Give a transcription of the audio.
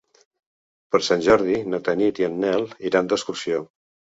Per Sant Jordi na Tanit i en Nel iran d'excursió.